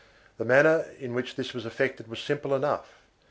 1 The manner in which this was effected was simple enough.